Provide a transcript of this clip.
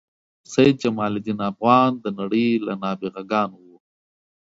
سید جمال الدین افغان د نړۍ له نابغه ګانو و.